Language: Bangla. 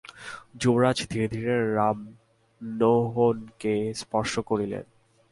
যুবরাজ ধীরে ধীরে রামনােহনকে স্পর্শ করিলেন।